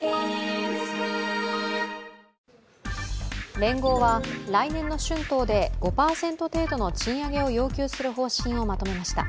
連合は来年の春闘で５％程度の賃上げを要求する方針をまとめました。